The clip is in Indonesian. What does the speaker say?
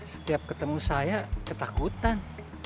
setiap ketemu saya ketakutan